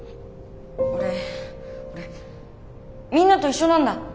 俺俺みんなと一緒なんだ。